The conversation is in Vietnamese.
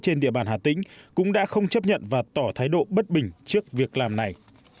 trên địa bàn hà tĩnh cũng đã không chấp nhận và tỏ thái độ bất bình trước việc làm này